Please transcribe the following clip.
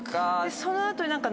その後に。